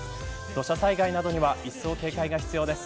土砂災害などにはいっそう警戒が必要です。